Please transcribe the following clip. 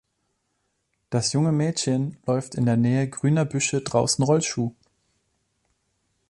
Das junge Mädchen läuft in der Nähe grüner Büsche draußen Rollschuh.